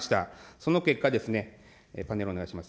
その結果ですね、パネルお願いします。